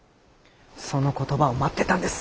その言葉を待ってたんです。